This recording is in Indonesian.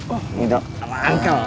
oh gendong sama ankel